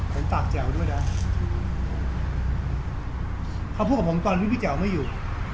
ปากแจ๋วด้วยนะเขาพูดกับผมตอนที่พี่แจ๋วไม่อยู่